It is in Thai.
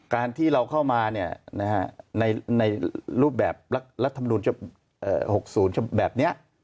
การที่เราเข้ามาในรูปแบบรัฐมนุน๖๐แบบนี้